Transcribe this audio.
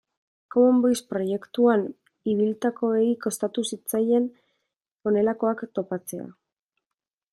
Common Voice proiektuan ibilitakoei kostatu zitzaien honelakoak topatzea.